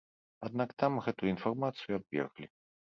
Аднак там гэтую інфармацыю абверглі.